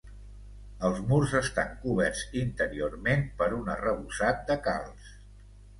Els murs estan coberts, interiorment, per un arrebossat de calç.